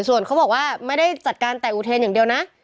ส่วนเขาบอกว่าไม่ได้จัดการแต่อุเทนอย่างเดียวนะ